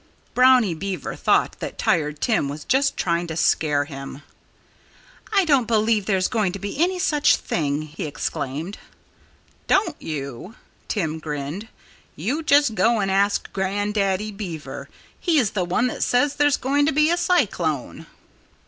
Brownie Beaver thought that Tired Tim was just trying to scare him. "I don't believe there's going to be any such thing!" he exclaimed. "Don't you?" Tim grinned. "You just go and ask Grandaddy Beaver. He's the one that says there's going to be a cyclone."